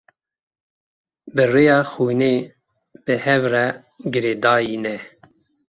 Bi rêya xwînê bi hev ve girêdayî ne.